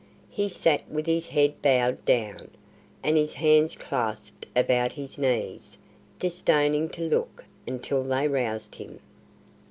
He sat with his head bowed down, and his hands clasped about his knees, disdaining to look until they roused him.